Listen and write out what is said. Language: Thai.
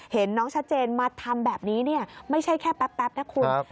เห็นน้องชัดเจนมาทำแบบนี้เนี่ยไม่ใช่แค่แป๊บนะคุณ